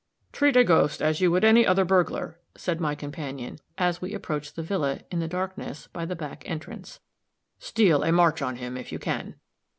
"Treat a ghost as you would any other burglar," said my companion, as we approached the villa, in the darkness, by the back entrance. "Steal a march on him if you can."